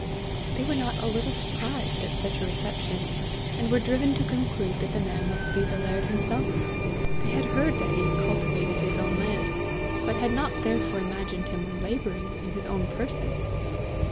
They were not a little surprised at such a reception, and were driven to conclude that the man must be the laird himself. They had heard that he cultivated his own land, but had not therefore imagined him labouring in his own person.